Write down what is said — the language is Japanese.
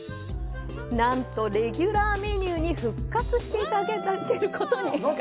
なんとレギュラーメニューに復活していただけることに。